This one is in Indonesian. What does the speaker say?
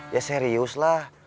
ya serius lah